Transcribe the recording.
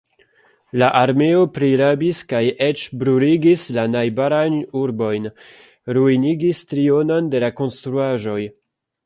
La armeo prirabis kaj eĉ bruligis la najbarajn urbojn, ruinigis trionon de la konstruaĵoj.